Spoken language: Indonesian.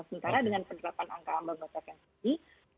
sementara dengan penerapan angka ambang batas yang tadi